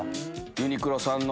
ユニクロさんの。